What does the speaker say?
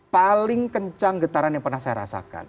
paling kencang getaran yang pernah saya rasakan